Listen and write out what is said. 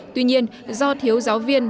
tuy nhiên do thiếu giáo viên